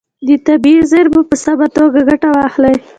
له طبیعي زیرمو په سمه توګه ګټه واخلئ.